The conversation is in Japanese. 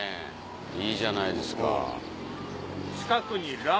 いいじゃないですか。